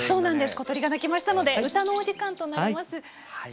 小鳥が鳴きましたので歌のお時間となります。